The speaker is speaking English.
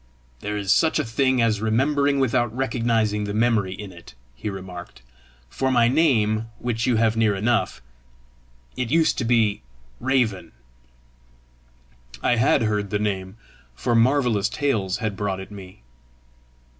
"There is such a thing as remembering without recognising the memory in it," he remarked. "For my name which you have near enough it used to be Raven." I had heard the name, for marvellous tales had brought it me.